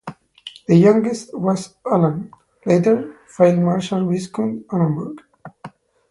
The youngest was Alan - later Field Marshal Viscount Alanbrooke.